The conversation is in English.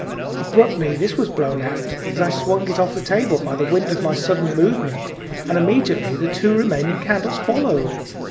Abruptly this was blown out as I swung it off the table by the wind of my sudden movement, and immediately the two remaining candles followed.